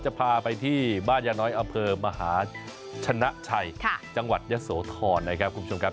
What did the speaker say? จะพาไปที่บ้านยาน้อยอำเภอมหาชนะชัยจังหวัดยะโสธรนะครับคุณผู้ชมครับ